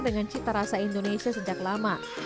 dengan cita rasa indonesia sejak lama